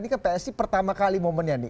ini kan psi pertama kali momennya nih